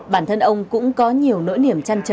bản thân ông cũng có nhiều nỗi niềm chăn trở